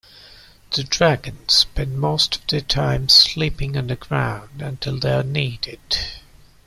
The Dragons spend most of their time sleeping underground until they are needed.